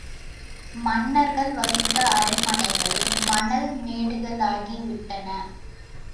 மன்னர்கள் வசித்த அரண்மனைகள் மணல் மேடுகளாகிவிட்டன.